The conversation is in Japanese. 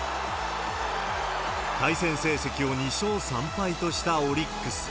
対戦成績を２勝３敗としたオリックス。